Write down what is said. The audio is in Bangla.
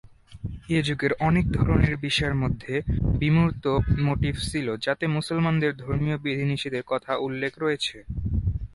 ঐ যুগের অনেক ধরনের বিষয়ের মধ্যে বিমূর্ত মোটিফ ছিল যাতে মুসলমানদের ধর্মীয় বিধি-নিষেধের কথা উল্লেখ রয়েছে।